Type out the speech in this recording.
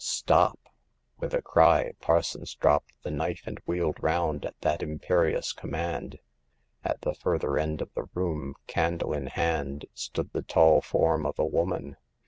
Stop!" With a cry, Parsons dropped the knife and wheeled round at that imperious command. At the further end of the room, candle in hand, stood the tall form of a woman.